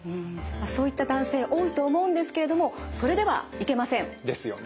そういった男性多いと思うんですけれどもそれではいけません。ですよね。